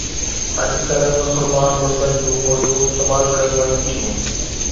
اڄڪلهه مسلمان ملڪن جون فوجون استعمال ڪيون وڃن ٿيون